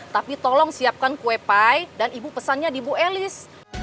tapi tolong siapkan kue pie dan ibu pesannya di bu elis